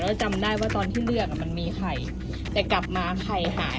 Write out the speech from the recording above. แล้วจำได้ว่าตอนที่เลือกอ่ะมันมีไข่แต่กลับมาไข่หาย